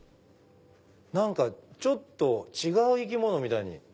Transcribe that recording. ちょっと違う生き物みたいに。